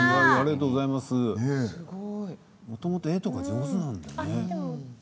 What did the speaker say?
もともと絵が上手なんだね。